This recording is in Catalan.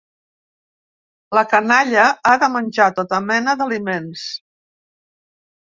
La canalla ha de menjar tota mena d'aliments.